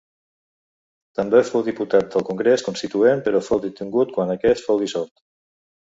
També fou diputat del Congrés Constituent, però fou detingut quan aquest fou dissolt.